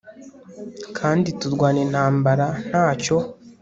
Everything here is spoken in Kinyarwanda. Kandi turwana intambara ntacyo